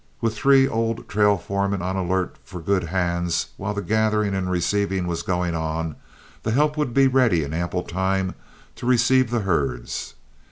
With three old trail foremen on the alert for good hands while the gathering and receiving was going on, the help would be ready in ample time to receive the herds.